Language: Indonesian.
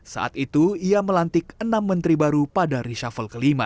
saat itu ia melantik enam menteri baru pada reshuffle kelima